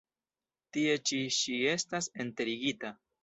Tie ĉi ŝi estas enterigita.